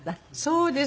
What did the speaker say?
そうです。